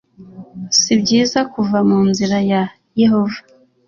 si byiza kuva mu nzira ya yehova